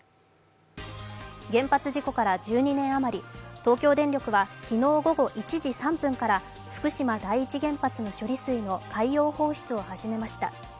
原発事故から１２年余り、東京電力は昨日午後１時３分から福島第一原発の処理水の海洋放出を始めました。